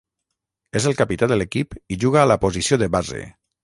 És el capità de l'equip i juga a la posició de base.